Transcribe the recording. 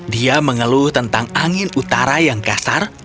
dia mengeluh tentang angin utara yang kasar